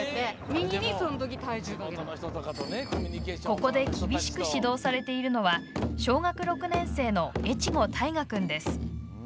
ここで厳しく指導されているのは小学６年生の越後虎君です。